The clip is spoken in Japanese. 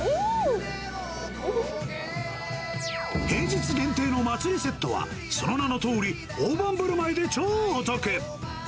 平日限定の祭セットは、その名のとおり、大盤振る舞いで超お得。